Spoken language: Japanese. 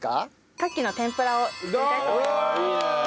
カキの天ぷらを作りたいと思います。